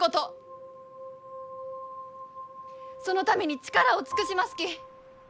そのために力を尽くしますき。